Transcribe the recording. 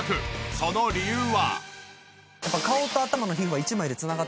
その理由は。